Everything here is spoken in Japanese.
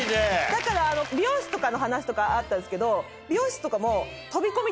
だから美容室の話とかあったんですけど。